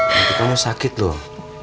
nanti kamu sakit loh